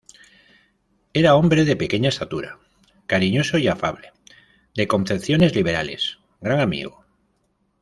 Era hombre de pequeña estatura, cariñoso y afable, de concepciones liberales, gran amigo.